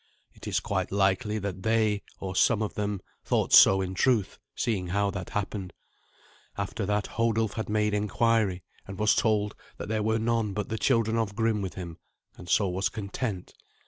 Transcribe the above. It is quite likely that they, or some of them, thought so in truth, seeing how that happened. After that Hodulf had made inquiry, and was told that there were none but the children of Grim with him, and so was content.